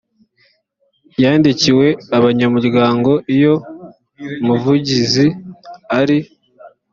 yandikiwe abanyamuryango iyo umuvugiziari